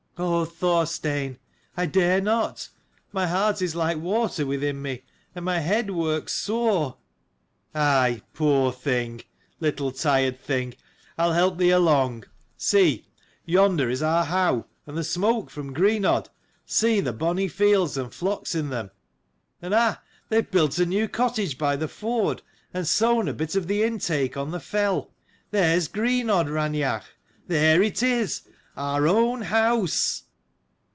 " 146 "Oh, Thorstein, I dare not. My heart is like water within me, and my head works sore." " Aye, poor thing, little tired thing. I'll help thee along. See: yonder is our howe: and the smoke from Greenodd. See the bonny fields and flocks in them ; and ah ! they have built a new cottage by the ford, and sown a bit of the intake on the fell. There's Greenodd, Raineach : there it is ; our own house